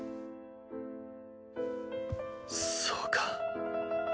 そうか。